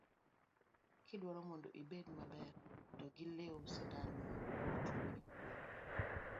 Kidwaro mondo ibed maber, to ngiiew sindan mondo ochuoyi godo.